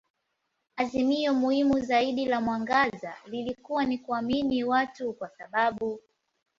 Azimio muhimu zaidi la mwangaza lilikuwa ni kuamini watu kwa sababu.